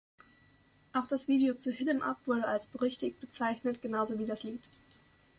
Auch das Video zu "Hit 'Em Up" wurde als "berüchtigt" bezeichnet, genau wie das Lied.